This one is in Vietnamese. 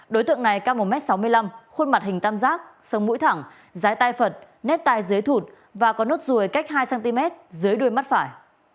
đối tượng này cao một m sáu mươi năm khuôn mặt hình tam giác sông mũi thẳng rái tai phật nếp tai dưới thụt và có nốt ruồi cách hai cm dưới đuôi mắt phải